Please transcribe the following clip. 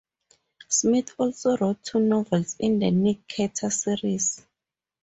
Smith also wrote two novels in the Nick Carter series.